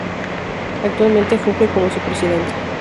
Actualmente funge como su Presidente.